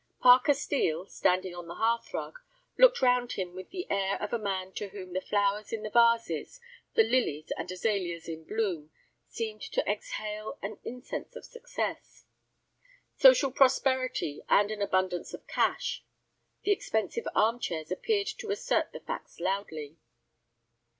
Parker Steel, standing on the hearth rug, looked round him with the air of a man to whom the flowers in the vases, the lilies and azaleas in bloom, seemed to exhale an incense of success. Social prosperity and an abundance of cash; the expensive arm chairs appeared to assert the facts loudly.